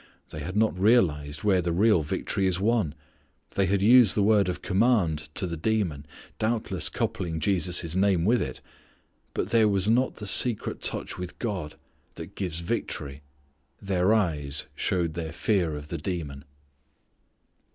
They had not realized where the real victory is won. They had used the word of command to the demon, doubtless coupling Jesus' name with it. But there was not the secret touch with God that gives victory. Their eyes showed their fear of the demon.